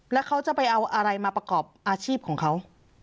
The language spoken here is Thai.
แล้วเขาจะไปเอาอะไรมาประกอบอาชีพของเขา